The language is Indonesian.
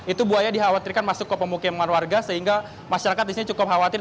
itu buaya dikhawatirkan masuk ke pemukiman warga sehingga masyarakat di sini cukup khawatir